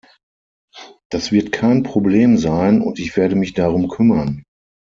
Das wird kein Problem sein, und ich werde mich darum kümmern.